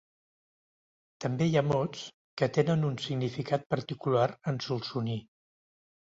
També hi ha mots que tenen un significat particular en solsoní.